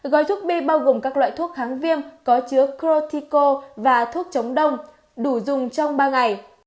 gói thuốc b bao gồm các loại thuốc kháng viêm có chứa crotico và thuốc chống đông đủ dùng trong ba ngày